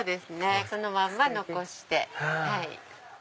そのまんま残して。